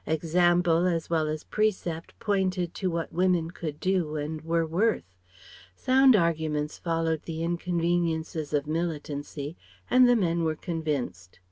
Example as well as precept pointed to what women could do and were worth; sound arguments followed the inconveniences of militancy, and the men were convinced.